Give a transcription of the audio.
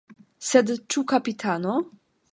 Sed ĉu kapitano?